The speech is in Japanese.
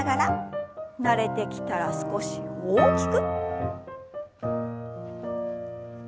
慣れてきたら少し大きく。